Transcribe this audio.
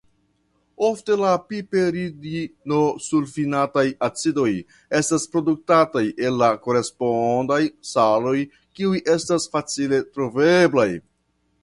Ofte la piperidinosulfinataj acidoj estas produktataj el la korespondaj saloj kiuj estas facile troveblaj.